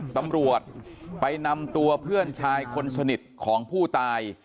ตำรวจไปนำตัวเพื่อนชายคนสนิทของผู้ตาย